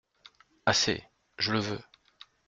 Assez !… je le veux !…